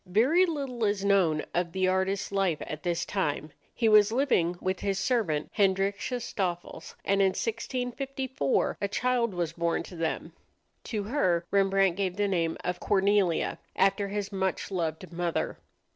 Very little is known of the artist's life at this time. He was living with his servant, Hendrickje Stoffels, and in 1654 a child was born to them. To her Rembrandt gave the name of Cornelia, after his much loved mother.